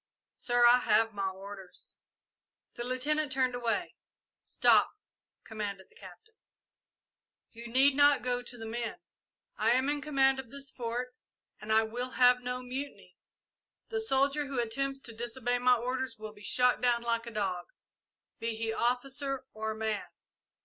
"Sir, I have my orders." The Lieutenant turned away. "Stop!" commanded the Captain. "You need not go to the men. I am in command of this Fort and I will have no mutiny. The soldier who attempts to disobey my orders will be shot down like a dog, be he officer or man.